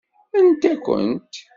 Anda-kent?